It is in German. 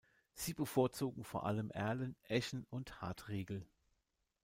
Sie bevorzugen vor allem Erlen, Eschen und Hartriegel.